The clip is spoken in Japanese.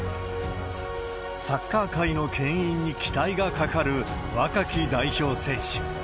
サッカー界のけん引に期待が懸かる、若き代表選手。